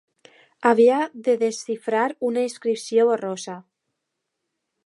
Havia de desxifrar una inscripció borrosa